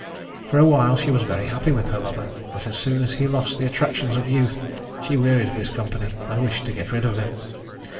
For a while she was very happy with her lover, but as soon as he lost the attractions of youth she wearied of his company and wished to get rid of him.